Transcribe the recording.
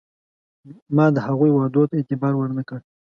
ما د هغوی وعدو ته اعتبار ور نه کړ.